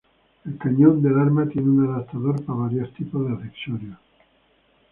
El cañón del arma tiene un adaptador para varios tipos de accesorios.